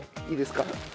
いいですね。